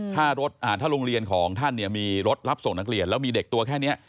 ถ้าโรงเรียนของท่านเนี่ยมีรถรับส่งนักเรียนแล้วมีเด็กตัวแค่นี้